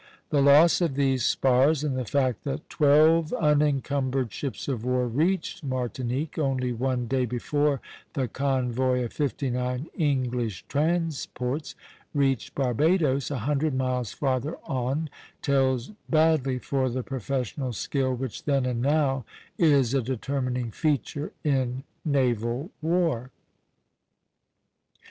The loss of these spars, and the fact that twelve unencumbered ships of war reached Martinique only one day before the convoy of fifty nine English transports reached Barbadoes, a hundred miles farther on, tells badly for the professional skill which then and now is a determining feature in naval war.